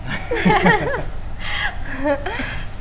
กูปากรับโชคเลย